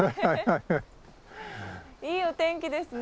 いいお天気ですね。